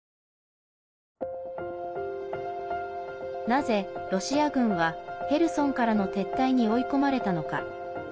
なぜロシア軍はヘルソンからの撤退に追い込まれたのか。